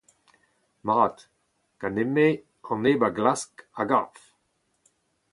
Mat ! ganin-me an neb a glask a gav.